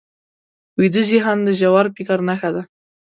ویده ذهن د ژور فکر نښه ده